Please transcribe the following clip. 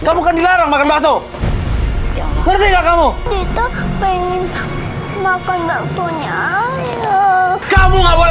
dita kamu kan dilarang makan bakso ngerti kamu pengen makan bakso nya kamu nggak boleh